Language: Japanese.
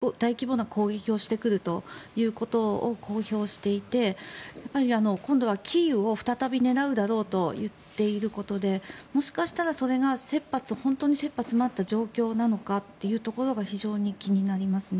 私が気になるのはウクライナの総司令官などが来年１月末から２月にロシア軍がかなりの強力な大規模な攻撃をしてくるということを公表していて今度はキーウを再び狙うだろうと言っていることでもしかしたらそれが本当に切羽詰まった状況なのかというところが非常に気になりますね。